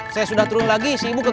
saya sudah turun lagi si ibu ke delapan